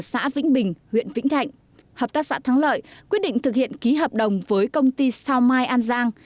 xã vĩnh bình huyện vĩnh thạnh hợp tác xã thắng lợi quyết định thực hiện ký hợp đồng với công ty sao mai an giang